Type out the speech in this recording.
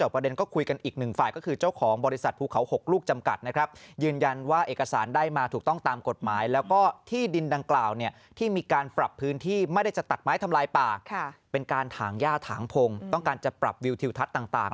เป็นการถางหญ้าถางพงต้องการจะปรับวิวทิวทัศน์ต่าง